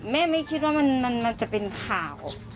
ไม่คิดว่ามันจะเป็นข่าว